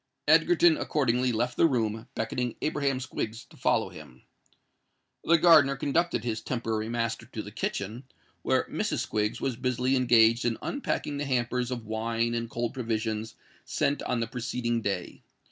Egerton accordingly left the room, beckoning Abraham Squiggs to follow him. The gardener conducted his temporary master to the kitchen, where Mrs. Squiggs was busily engaged in unpacking the hampers of wine and cold provisions sent on the preceding day.